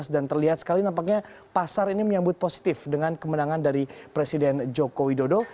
dan terlihat sekali nampaknya pasar ini menyambut positif dengan kemenangan dari presiden joko widodo